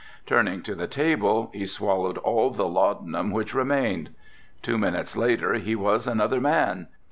Turning to the table he swallowed all the laudanum which remained. Two minutes later he was another man.